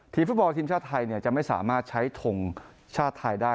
ฟุตบอลทีมชาติไทยจะไม่สามารถใช้ทงชาติไทยได้